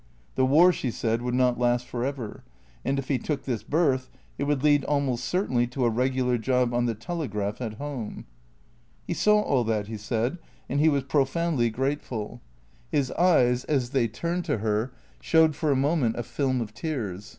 The war, she said, would not last for ever; and if he took this berth, it would lead almost certainly to a regular job on the " Telegraph '' at home. He saw all that, he said, and he was profoundly grateful. 225 226 THECREATOES His eyes, as they turned to her, showed for a moment a film of tears.